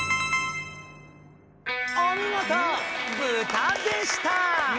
お見事「ブタ」でした！